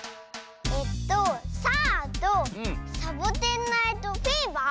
えっと「さあ！」と「サボテン・ナイト・フィーバー」？